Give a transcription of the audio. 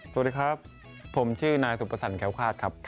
สวัสดีครับผมชื่อนายสุปสรรค์แคลวฆาตครับ